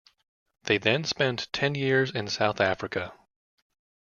They then spent ten years in South Africa.